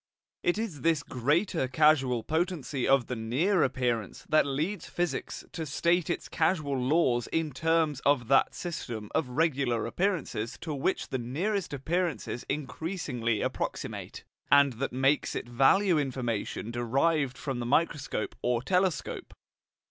It is this greater causal potency of the near appearance that leads physics to state its causal laws in terms of that system of regular appearances to which the nearest appearances increasingly approximate, and that makes it value information derived from the microscope or telescope.